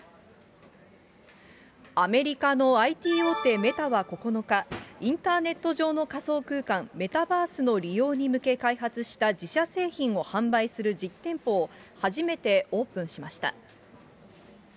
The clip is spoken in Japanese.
アメリカのＩＴ大手、メタは９日、インターネット上の仮想空間、メタバースの利用に向け開発した自社製品を販売する実店舗を初めてオープンしました。